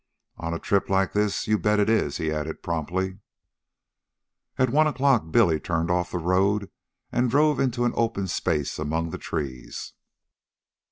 "On a trip like this you bet it is," he added promptly. At one o'clock Billy turned off the road and drove into an open space among the trees.